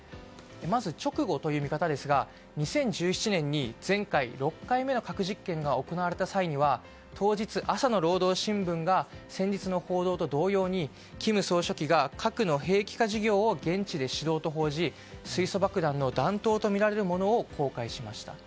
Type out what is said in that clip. まず直後という見方ですが２０１７年に前回６回目の核実験が行われた際には当日朝の労働新聞が先日の報道と同様に金総書が核の兵器化事業を現地で指導と報じ水素爆弾の弾頭とみられるもの公開しました。